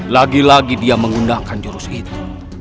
lagi lagi dia menggunakan jurus itu